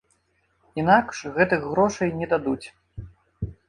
Інакш гэтых грошай не дадуць.